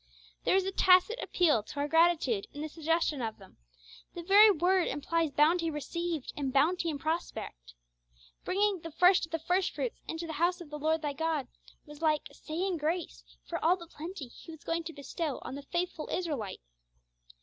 There is a tacit appeal to our gratitude in the suggestion of them, the very word implies bounty received and bounty in prospect. Bringing 'the first of the first fruits into the house of the Lord thy God,' was like 'saying grace' for all the plenty He was going to bestow on the faithful Israelite.